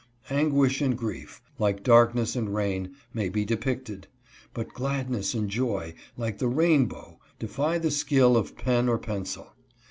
" Anguish and grief, like darkness and rain, may be depicted ; but gladness and joy, like the rain bow, defy the skill of pen or pencil.